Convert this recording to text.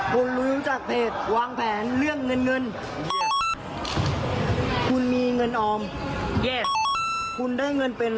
คุณรู้จักเพจวางแผนเรื่องเงิน